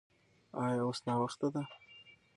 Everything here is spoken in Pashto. ایا اوس ناوخته ده؟